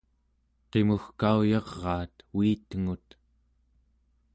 qimugkauyaraat uitengut